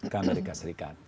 ke amerika serikat